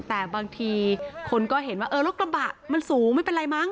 แต่บางทีคนก็เห็นว่าเออรถกระบะมันสูงไม่เป็นไรมั้